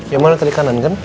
yang mana kiri kanan kan